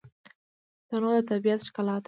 تنوع د طبیعت ښکلا ده.